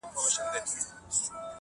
د سترگو سرو لمبو ته دا پتنگ در اچوم,